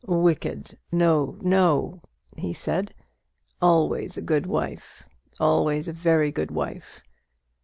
"Wicked! no! no!" he said. "Always a good wife; always a very good wife!